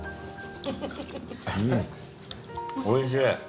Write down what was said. おいしい。